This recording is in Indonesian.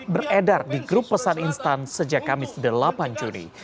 beredar di grup pesan instan sejak kamis delapan juni